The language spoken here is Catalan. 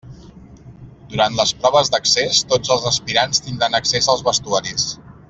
Durant les proves d'accés tots els aspirants tindran accés als vestuaris.